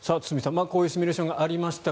こういうシミュレーションがありました